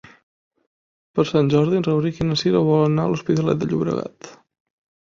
Per Sant Jordi en Rauric i na Cira volen anar a l'Hospitalet de Llobregat.